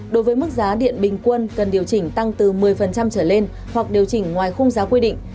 đối với mức giá điện bình quân cần điều chỉnh tăng từ một mươi trở lên hoặc điều chỉnh ngoài khung giá quy định